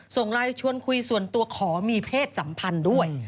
ส่งไลน์ชวนคุยส่วนตัวขอมีเพศสัมพันธ์ด้วย